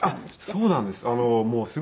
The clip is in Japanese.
そうなんです。